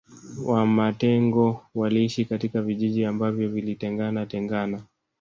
Wamatengo waliishi katika vijiji ambavyo vilitengana tengana